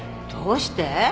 どうして？